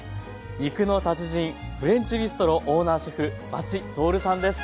肉の達人フレンチビストロオーナーシェフ和知徹さんです。